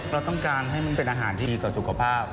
เราต้องการให้มันเป็นอาหารที่ดีต่อสุขภาพ